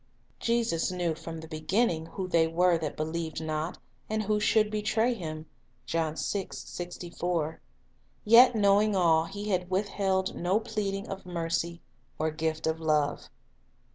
"Jesus knew from the beginning who they were that believed not, and who should betray Him." ' Yet, knowing all, He had withheld no pleading of mercy or gift of love.